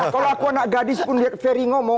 kalau aku anak gadis pun lihat ferry ngomong